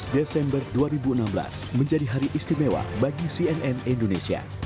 dua belas desember dua ribu enam belas menjadi hari istimewa bagi cnn indonesia